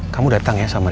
kamu datang ya sama rendy